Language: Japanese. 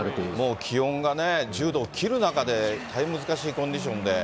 もう気温が１０度を切る中で、大変難しいコンディションで。